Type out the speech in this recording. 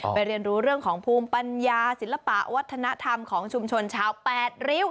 เรียนรู้เรื่องของภูมิปัญญาศิลปะวัฒนธรรมของชุมชนชาวแปดริ้ว